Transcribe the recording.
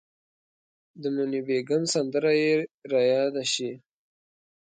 د موني بیګم سندره یې ریاده شي.